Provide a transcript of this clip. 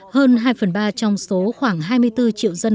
hơn hai phần ba trong số khoảng hai mươi bốn triệu dân